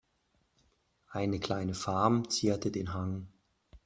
Eine kleine Farm zierte den Hang.